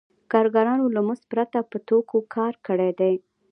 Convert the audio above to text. کارګرانو له مزد پرته په توکو کار کړی دی